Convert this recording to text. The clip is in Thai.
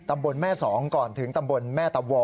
ตำบลแม่สองก่อนถึงตำบลแม่ตะวอ